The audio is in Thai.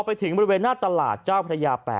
ไปถึงบริเวณหน้าตลาดเจ้าพระยา๘